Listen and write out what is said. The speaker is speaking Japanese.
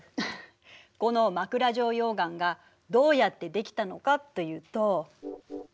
この枕状溶岩がどうやってできたのかと言うと。